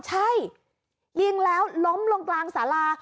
ใช่ยิงแล้วล้มลงกลางสารา